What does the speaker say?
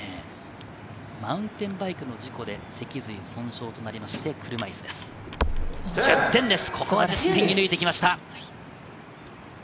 マウンテンバイクの事故で脊髄損傷となりまして、車いすです。